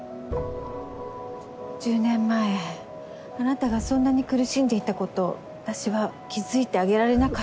１０年前あなたがそんなに苦しんでいたこと私は気付いてあげられなかった。